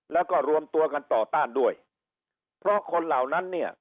แล้วก็รวมตัวกันต่อต้านด้วยเพราะคนเหล่านั้นเนี่ย